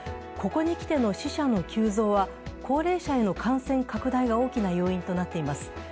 ここに来ての死者の急増は高齢者への感染拡大が大きな要因となっています。